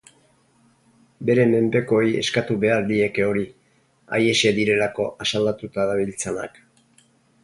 Bere menpekoei eskatu behar lieke hori, haiexek direlako asaldatuta dabiltzanak.